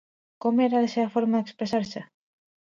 Com era la seva forma d'expressar-se?